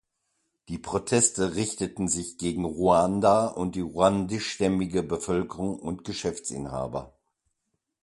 Die Proteste richteten sich gegen Ruanda und die ruandischstämmige Bevölkerung und Geschäftsinhaber.